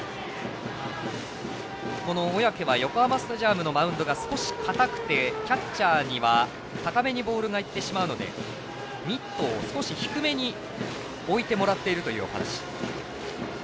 小宅は横浜スタジアムのマウンドが少しかたくてキャッチャーには高めにボールがいってしまうのでミットを少し低めに置いてもらっているというお話。